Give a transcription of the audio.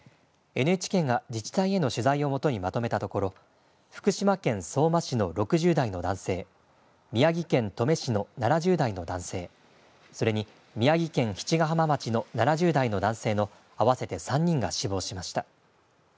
ＮＨＫが自治体への取材をもとにまとめたところ、福島県相馬市の６０代の男性、宮城県登米市の７０代の男性、それに宮城県七ヶ浜町の７０代の男性の合わせて３人が死亡しました。